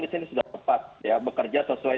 di sini sudah tepat ya bekerja sesuai